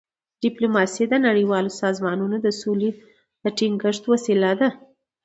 ډيپلوماسي د نړیوالو سازمانونو د سولي د ټینګښت وسیله ده.